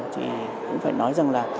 thì cũng phải nói rằng là